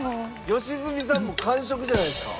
良純さんも完食じゃないですか？